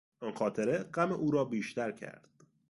آن خاطره غم او را بیشتر کرد.